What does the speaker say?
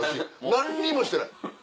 何にもしてない。